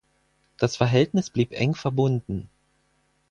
Das Verhältnis blieb eng verbunden.